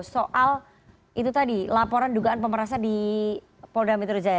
soal itu tadi laporan dugaan pemerasan di polda metro jaya